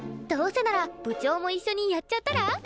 どうせなら部長も一緒にやっちゃったら？